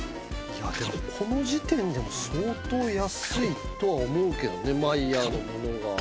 この時点でも相当安いとは思うけどねマイヤーのものが。